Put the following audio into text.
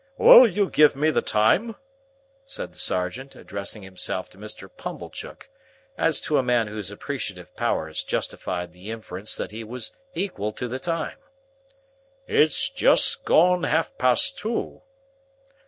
"Would you give me the time?" said the sergeant, addressing himself to Mr. Pumblechook, as to a man whose appreciative powers justified the inference that he was equal to the time. "It's just gone half past two."